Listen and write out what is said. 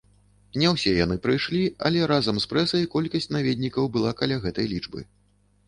Не ўсе яны прыйшлі, але разам з прэсай колькасць наведнікаў была каля гэтай лічбы.